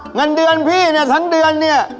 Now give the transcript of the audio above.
เงินเดือนพี่เนี่ยทั้งเดือนเนี่ย